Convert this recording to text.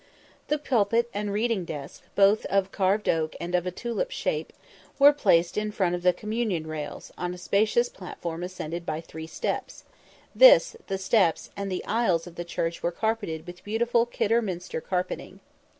The pulpit and reading desk, both of carved oak and of a tulip shape, were placed in front of the communion rails, on a spacious platform ascended by three steps this, the steps, and the aisles of the church were carpeted with beautiful Kidderminster carpeting.